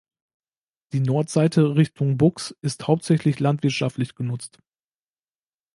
Die Nordseite Richtung Buchs ist hauptsächlich landwirtschaftlich genutzt.